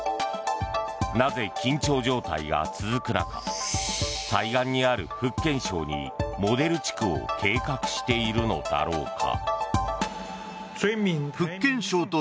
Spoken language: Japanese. なぜ、緊張状態が続く中対岸にある福建省にモデル地区を計画しているのだろうか。